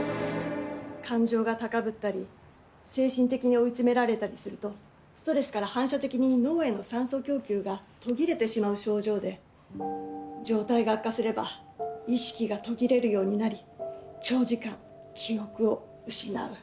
感情が高ぶったり精神的に追い詰められたりするとストレスから反射的に脳への酸素供給が途切れてしまう症状で状態が悪化すれば意識が途切れるようになり長時間記憶を失う。